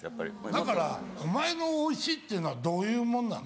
だからお前のおいしいっていうのはどういうもんなの？